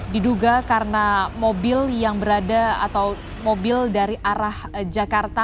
diduga karena mobil yang berada atau mobil dari arah jakarta